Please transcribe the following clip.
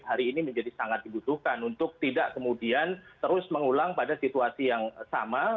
hari ini menjadi sangat dibutuhkan untuk tidak kemudian terus mengulang pada situasi yang sama